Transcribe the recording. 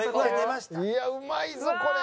いやうまいぞこれ。